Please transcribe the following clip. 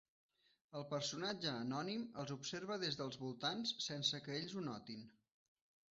El personatge anònim els observa des dels voltants sense que ells ho notin.